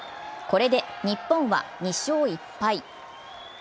これで日本は２勝１敗。